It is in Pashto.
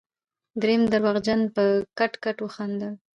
دريم درواغجن په کټ کټ وخندل.